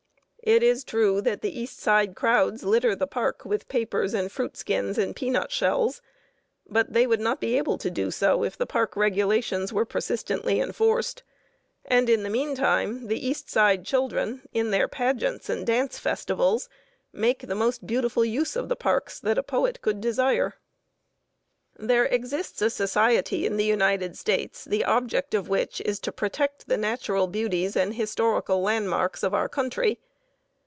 It is true that the East Side crowds litter the parks with papers and fruit skins and peanut shells, but they would not be able to do so if the park regulations were persistently enforced. And in the mean time the East Side children, in their pageants and dance festivals, make the most beautiful use of the parks that a poet could desire. There exists a society in the United States the object of which is to protect the natural beauties and historical landmarks of our country.